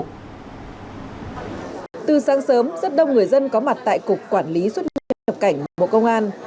từ sáng sớm rất đông người dân có mặt tại cục quản lý xuất hiện nhập cảnh của một công an